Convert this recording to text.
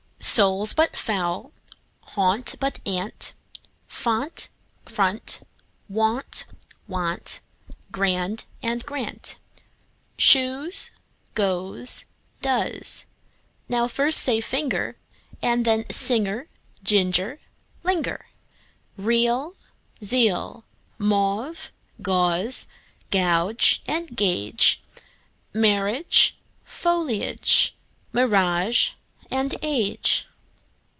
Soul, but foul and gaunt, but aunt; Font, front, wont; want, grand, and, grant, Shoes, goes, does.) Now first say: finger, And then: singer, ginger, linger. Real, zeal; mauve, gauze and gauge; Marriage, foliage, mirage, age.